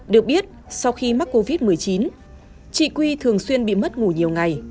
được biết sau khi mắc covid một mươi chín chị quy thường xuyên bị mất ngủ nhiều ngày